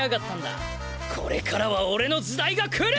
これからは俺の時代が来る！